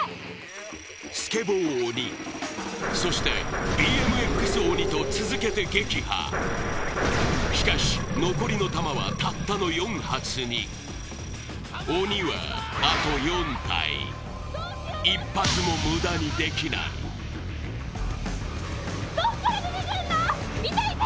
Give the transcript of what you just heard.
スケボー鬼そしてＢＭＸ鬼と続けて撃破しかし残りの弾はたったの４発に鬼はあと４体１発も無駄にできないどっから出てくんの？